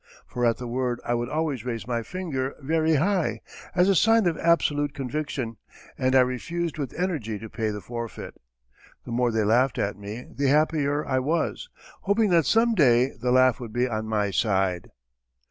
for at the word I would always raise my finger very high, as a sign of absolute conviction, and I refused with energy to pay the forfeit. The more they laughed at me the happier I was, hoping that some day the laugh would be on my side.